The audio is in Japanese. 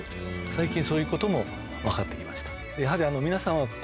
最近そういうことも分かって来ました。